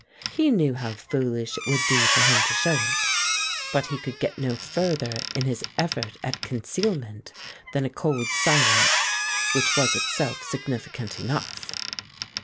He knew how foolish it would be for him to show it, but he could get no further in his effort at concealment than a cold silence which was itself significant enough.